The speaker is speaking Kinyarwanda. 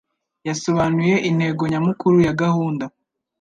Yasobanuye intego nyamukuru ya gahunda